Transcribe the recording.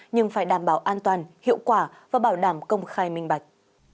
nhưng phải đảm bảo an toàn hiệu quả và bảo đảm công khai minh bạch